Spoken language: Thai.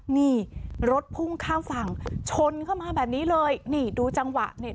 นี่รถพุ่งข้ามฝั่งชนเข้ามาแบบนี้เลยนี่ดูจังหวะนี่